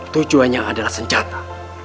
tujuannya adalah senjata